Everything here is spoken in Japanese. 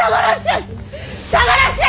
だまらっしゃい！